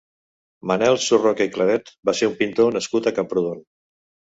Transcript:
Manel Surroca i Claret va ser un pintor nascut a Camprodon.